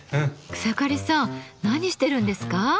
草刈さん何してるんですか？